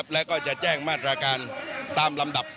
แล้วก็จะแจ้งมาตรการตามลำดับ